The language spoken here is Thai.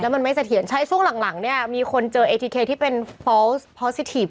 ไม่มีเชื้ออะไรแบบนี้นะครับ